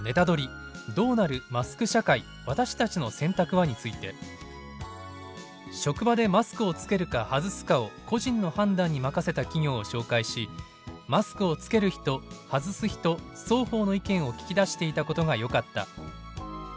「どうなる“マスク社会”私たちの選択は」について「職場でマスクをつけるか外すかを個人の判断に任せた企業を紹介しマスクをつける人外す人双方の意見を聞き出していたことがよかった」。